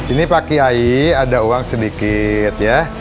ini pak kiai ada uang sedikit ya